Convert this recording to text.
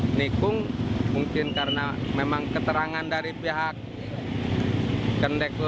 menikung mungkin karena memang keterangan dari pihak kendek